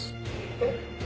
えっ？